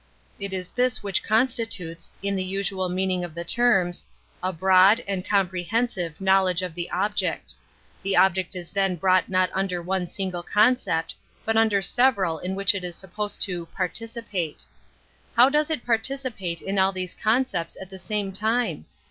It is this wbii;h cronntituteH, in the usual meaning of th(! ti^nriH, a " broad " and " comprehensive " knowli^lge of the object; the object is then brought not under one single concept, but tinder w^veral in which it is supposed to " par( l(!!pate." IIow does it participate in all th(!H(^ (concepts at the same time?